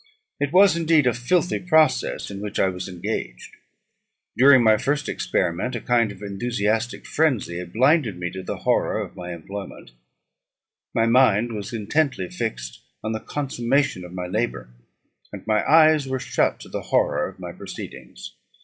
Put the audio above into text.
It was, indeed, a filthy process in which I was engaged. During my first experiment, a kind of enthusiastic frenzy had blinded me to the horror of my employment; my mind was intently fixed on the consummation of my labour, and my eyes were shut to the horror of my proceedings.